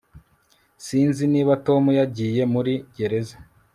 Sinzi niba Tom yagiye muri gereza